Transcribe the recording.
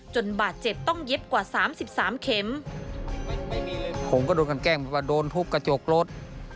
บาดเจ็บต้องเย็บกว่าสามสิบสามเข็มผมก็โดนกันแกล้งบอกว่าโดนทุบกระจกรถ